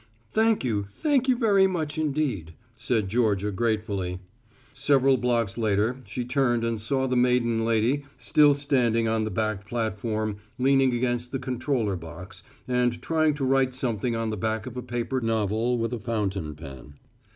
"Thank you, thank you very much indeed," said Georgia gratefully. Several blocks later she turned and saw the maiden lady still standing on the back platform leaning against the controller box and trying to write something on the back of a paper novel with a fountain pen.